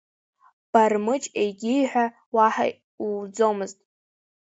Бармыҷ егьиҳәа уаҳа ууӡомызт…